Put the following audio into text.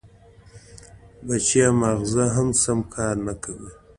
بچیه! ماغزه مې سم کار نه کوي.